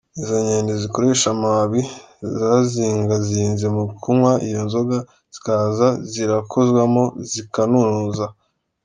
Izo nkende zikoresha amababi zazingazinze mu kunywa iyo nzoga, zikaza zirakozamwo zikanunuza.